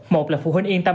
một là phụ huynh yên tâm